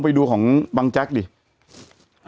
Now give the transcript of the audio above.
แต่หนูจะเอากับน้องเขามาแต่ว่า